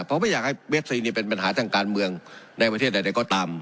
เพราะไม่อยากให้เวฟซีเป็นปัญหาทางการเมืองในประเทศใดก็ตาม